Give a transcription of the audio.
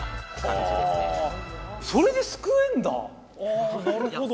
あなるほど！